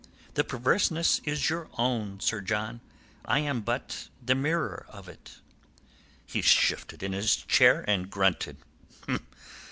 "The perverseness is your own, Sir John. I am but the mirror of it." He shifted in his chair and grunted.